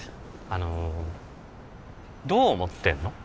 あのどう思ってんの？